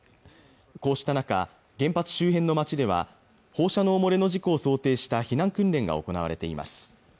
こうした中原発周辺の町では放射能漏れの事故を想定した避難訓練が行われています